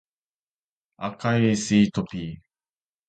赤いスイートピー